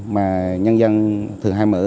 mà nhân dân thường hay mở cửa sổ